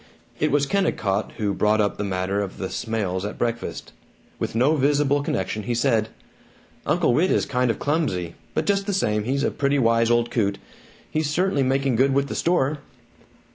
It was Kennicott who brought up the matter of the Smails at breakfast. With no visible connection he said, "Uncle Whit is kind of clumsy, but just the same, he's a pretty wise old coot. He's certainly making good with the store."